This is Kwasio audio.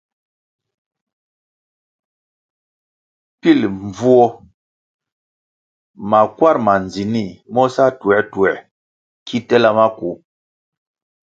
Pil mbvuo makwar ma ndzinih mo sa tuertuer ki tela maku.